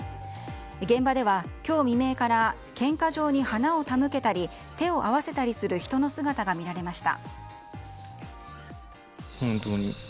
現場では今日未明から献花場に花を手向けたり手を合わせたりする人の姿が見られました。